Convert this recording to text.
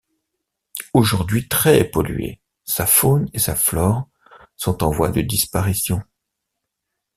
Aujourd'hui très pollué, sa faune et sa flore sont en voie de disparition.